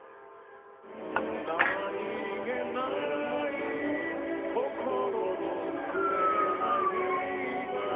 「何気ない心のふれあいが」